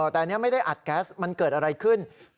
แต่อันนี้ไม่ได้อัดแก๊สมันเกิดอะไรขึ้น